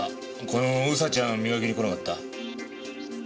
このウサちゃん磨きに来なかった？